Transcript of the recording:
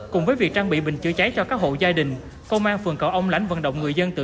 cùng với việc trang bị bình chữa cháy cho các hộ gia đình công an phường cầu ông lãnh vận động người dân tự